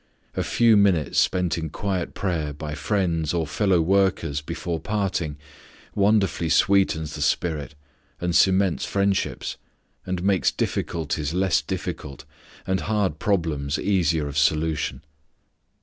A few minutes spent in quiet prayer by friends or fellow workers before parting wonderfully sweetens the spirit, and cements friendships, and makes difficulties less difficult, and hard problems easier of solution.